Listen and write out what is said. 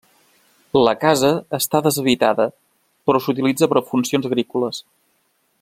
La casa està deshabitada, però s'utilitza per a funcions agrícoles.